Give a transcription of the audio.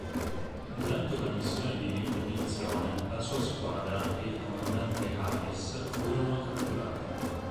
Durante una missione di ricognizione, la sua squadra e il comandante Hayes furono catturati.